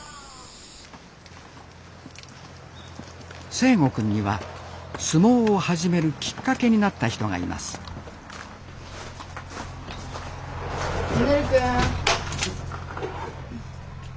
誠心くんには相撲を始めるきっかけになった人がいます稔くん。